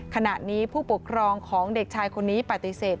ขณะนี้ผู้ปกครองของเด็กชายคนนี้ปฏิเสธ